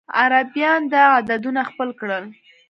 عربيان دا عددونه خپل کړل.